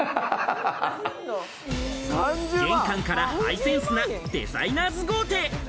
玄関からハイセンスなデザイナーズ豪邸。